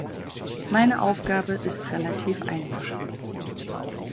Meine Aufgabe ist relativ einfach.